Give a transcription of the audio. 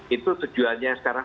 itu tujuannya sekarang